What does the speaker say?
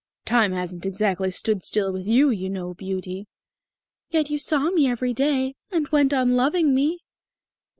"Time hasn't exactly stood still with you, you know, Beauty." "Yet you saw me every day, and went on loving me."